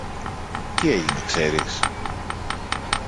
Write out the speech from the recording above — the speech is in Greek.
Τι έγινε, ξέρεις;